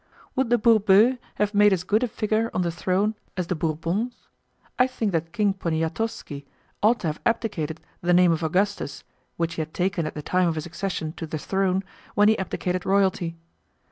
Would the Bourbeux have made as good a figure on the throne as the Bourbons? I think that King Poniatowski ought to have abdicated the name of Augustus, which he had taken at the time of his accession to the throne, when he abdicated royalty.